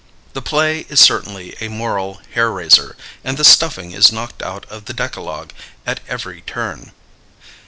The play is certainly a moral hair raiser, and the stuffing is knocked out of the decalogue at every turn.